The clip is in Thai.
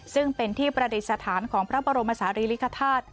ซึ่งเป็นที่ประเด็จสถานของพระบรมศาลิริฆษฐาตร